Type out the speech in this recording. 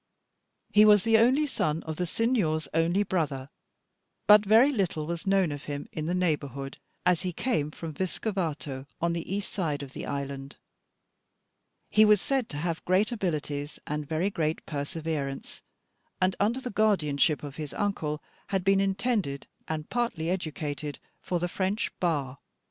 He was the only son of the Signor's only brother, but very little was known of him in the neighbourhood, as he came from Vescovato on the east side of the island. He was said to have great abilities and very great perseverance, and under the guardianship of his uncle had been intended and partly educated for the French Bar.